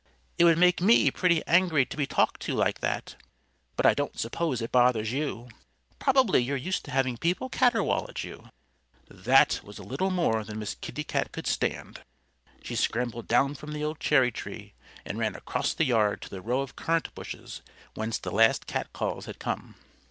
It would make me pretty angry to be talked to like that. But I don't suppose it bothers you. Probably you're used to having people caterwaul at you." That was a little more than Miss Kitty Cat could stand. She scrambled down from the old cherry tree and ran across the yard to the row of currant bushes, whence the last catcalls had come.